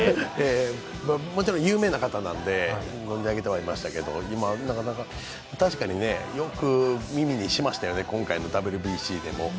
もちろん有名な方なんで存じ上げてはいましたけど確かによく耳にしましたよね、今回のＷＢＣでも。